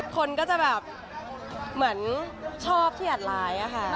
คนก็จะแบบเหมือนชอบที่อัดร้ายอะค่ะ